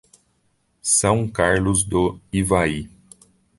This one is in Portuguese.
São Carlos do Ivaí